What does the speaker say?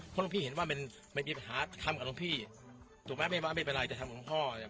พอต้องพี่เห็นว่ามันไม่มีปัญหาทำกับพี่ถูกไหมว่าไม่เป็นไรจะทำของพ่อ